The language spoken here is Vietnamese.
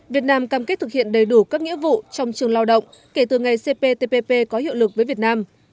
việt nam cam kết thực hiện đầy đủ các nghĩa vụ trong trường lao động kể từ ngày cptpp có hiệu lực với việt nam